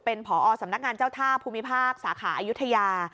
เป็นผอสำนักงานเจ้าท่าภูมิภาคสาขาอายุทยา